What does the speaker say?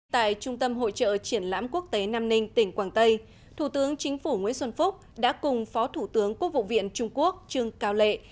tại trung tâm hội trợ triển lãm quốc tế nam ninh tỉnh quảng tây thủ tướng chính phủ nguyễn xuân phúc đã cùng phó thủ tướng quốc vụ viện trung quốc trương cao lệ